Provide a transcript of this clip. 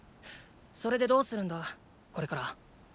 それでどうするんだこれから？